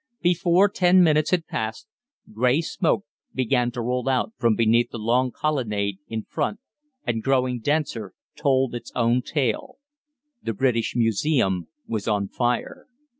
Before ten minutes had passed, grey smoke began to roll out from beneath the long colonnade in front, and growing denser, told its own tale. The British Museum was on fire.